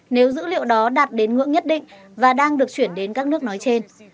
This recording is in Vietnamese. nếu dữ liệu đó đạt đến ngưỡng nhất định và đang được chuyển đến các nước nói trên